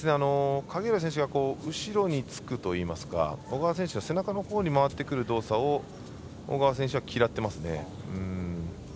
影浦選手が後ろにつくといいますか小川選手が背中のほうに回ってくる動作を小川選手は嫌ってますね。